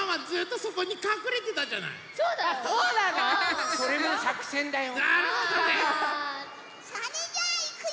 それじゃあいくよ！